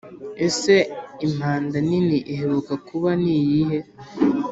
ese impanda nini iheruka kuba ni iyhe